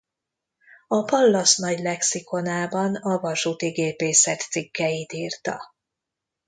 A Pallas Nagy Lexikonában a vasúti gépészet cikkeit írta.